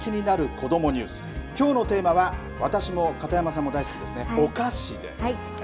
こどもニュースきょうのテーマは私も片山さんも大好きですね